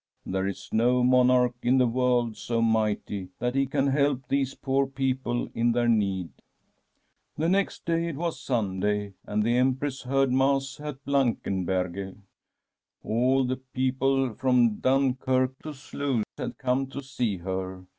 There is no mon arch in the world so mighty that he can help these poor people in their need/ *" The next day it was Sunday, and the Em press heard Mass at Blankenberghe. All the peo ple from Dunkirk to Sluis had come to see her.